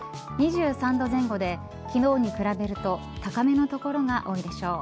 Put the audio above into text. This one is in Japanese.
２３度前後で昨日に比べると高めの所が多いでしょう。